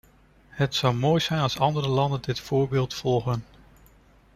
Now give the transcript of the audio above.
Het zou mooi zijn als andere landen dit voorbeeld volgen.